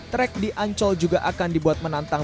trek di ancol juga akan dibuat menantang